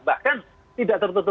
bahkan tidak tertentu